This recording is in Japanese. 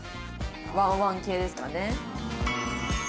ワンワン系ですかね。